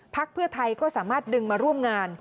เพื่อไทยก็สามารถดึงมาร่วมงาน